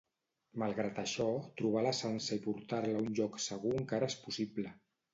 Malgrat això, trobar la Sansa i portar-la a un lloc segur encara és possible.